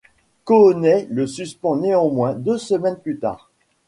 Cooney le suspend néanmoins deux semaines plus tard.